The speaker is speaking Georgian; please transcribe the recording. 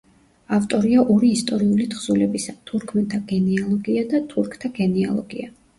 ავტორია ორი ისტორიული თხზულებისა: „თურქმენთა გენეალოგია“ და „თურქთა გენეალოგია“.